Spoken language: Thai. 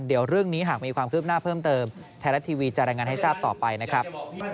เดี๋ยวเรื่องนี้หากมีความคืบหน้าเพิ่มเติมไทยรัฐทีวีจะรายงานให้ทราบต่อไปนะครับ